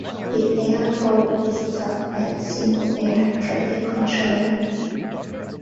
The airport is staffed by a single air traffic controller.